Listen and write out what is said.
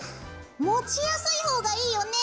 持ちやすい方がいいよね？